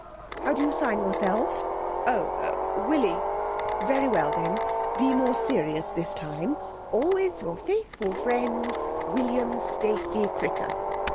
How do you sign yourself?' 'Oh, Willie.' 'Very well then, be more serious this time: Always your faithful friend, William Stacey Cricker.'